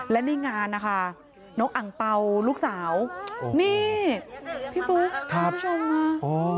และในงานนะคะน้องอังเป้าลูกสาวนี่พี่ปู๊คพูดชอบมา